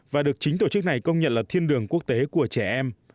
và được chính tổ chức này công nhận là thiên đường quốc tế của trẻ em